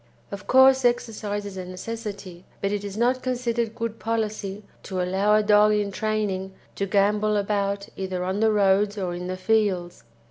Of course exercise is a necessity, but it is not considered good policy to allow a dog in training to gambol about either on the roads or in the fields.